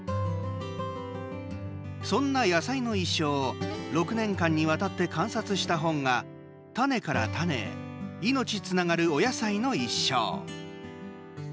そんな野菜の一生を６年間にわたって観察した本が「種から種へ命つながるお野菜の一生」。